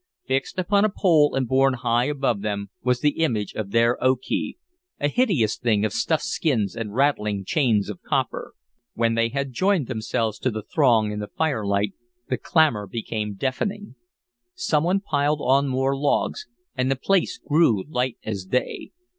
Fixed upon a pole and borne high above them was the image of their Okee, a hideous thing of stuffed skins and rattling chains of copper. When they had joined themselves to the throng in the firelight the clamor became deafening. Some one piled on more logs, and the place grew light as day.